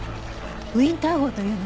ウィンター号というのは？